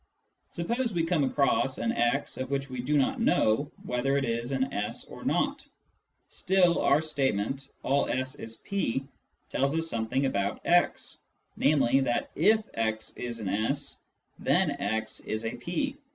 Suppose we come across an x of which we do not know whether it is an S or not ; still, our statement " all S is P " tells us something about x, namely, that if x is an S, then x is a P.